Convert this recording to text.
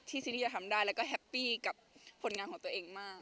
ซีรีส์จะทำได้แล้วก็แฮปปี้กับผลงานของตัวเองมาก